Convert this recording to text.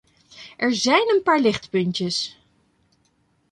Er zijn een paar lichtpuntjes.